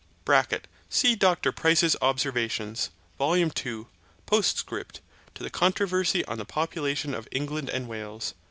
(See Dr Price's Observations, Vol. ii, postscript to the controversy on the population of England and Wales.)